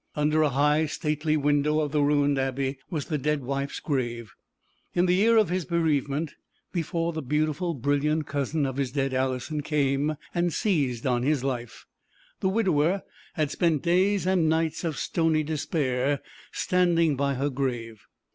Under a high, stately window of the ruined Abbey was the dead wife's grave. In the year of his bereavement, before the beautiful brilliant cousin of his dead Alison came and seized on his life, the widower had spent days and nights of stony despair standing by her grave.